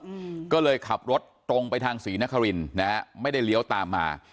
อืมก็เลยขับรถตรงไปทางศรีนครินนะฮะไม่ได้เลี้ยวตามมา